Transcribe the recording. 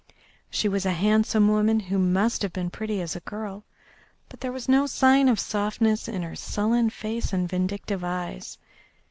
She was a handsome woman, who must have been pretty as a girl, but there was no sign of softness in her sullen face and vindictive eyes.